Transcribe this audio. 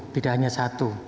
tidak hanya satu